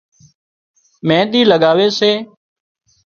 مينۮِي لڳاوي سي